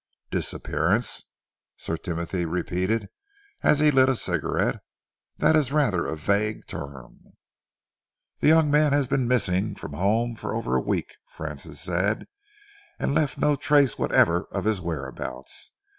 "Disappearance?" Sir Timothy repeated, as he lit a cigarette. "That is rather a vague term." "The young man has been missing from home for over a week," Francis said, "and left no trace whatever of his whereabouts.